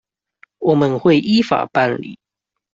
我們會依法辦理